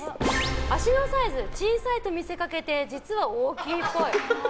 足のサイズ、小さいと見せかけて実は大きいっぽい。